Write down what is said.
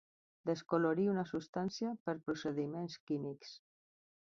Descolorir una substància per procediments químics.